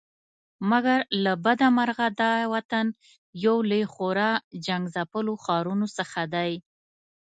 مګر له بده مرغه دا وطن یو له خورا جنګ ځپلو ښارونو څخه دی.